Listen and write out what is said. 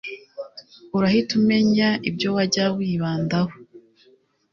Urahita umenya ibyo wajya wibandaho